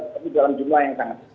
tapi dalam jumlah yang sangat